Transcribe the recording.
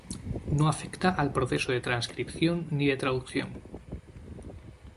No afecta al proceso de transcripción ni de traducción.